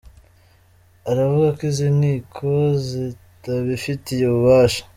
Aravuga ko izo nkiko zitabifitiye ububasha.